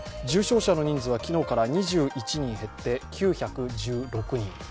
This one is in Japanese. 重症者の人数は昨日から２１人減って９１６人。